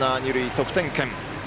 得点圏。